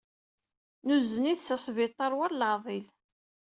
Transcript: Nuzen-it s asbiṭar war leɛḍil.